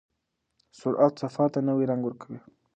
سرعت سفر ته نوی رنګ ورکوي.